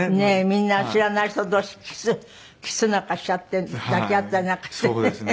みんな知らない人同士キスなんかしちゃって抱き合ったりなんかしてね。